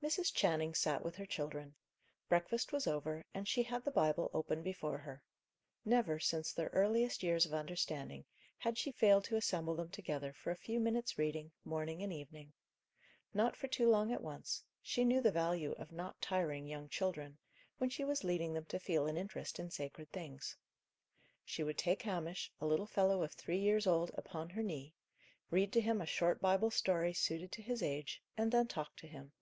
Mrs. Channing sat with her children. Breakfast was over, and she had the Bible open before her. Never, since their earliest years of understanding, had she failed to assemble them together for a few minutes' reading, morning and evening. Not for too long at once; she knew the value of not tiring young children, when she was leading them to feel an interest in sacred things. She would take Hamish, a little fellow of three years old, upon her knee, read to him a short Bible story, suited to his age, and then talk to him.